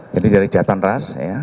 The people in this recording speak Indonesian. jadi dari jatan ras